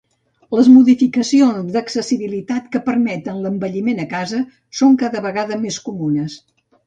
Les modificacions d'accessibilitat que permeten l'envelliment a casa són cada vegada més comunes.